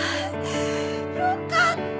よかった！